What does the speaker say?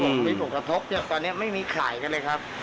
วิธีปรุงกระทบตอนนี้ไม่มีขายกันเลยครับ